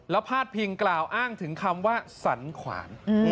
แล้วพาดพิงกล่าวอ้างถึงคำว่าสันขวาน